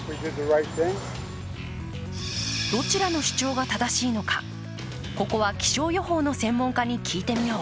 どちらの主張が正しいのか、ここは気象予報の専門家に聞いてみよう。